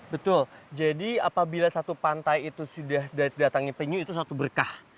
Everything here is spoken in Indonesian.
betul jadi apabila satu pantai itu sudah datangnya penyu itu satu berkah